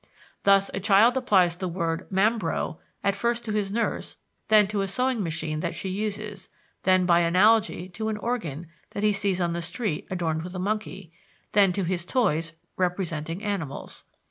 Thus, a child applies the word "mambro" at first to his nurse, then to a sewing machine that she uses, then by analogy to an organ that he sees on the street adorned with a monkey, then to his toys representing animals.